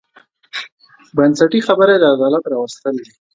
بنسټي خبره یې د عدالت راوستل دي.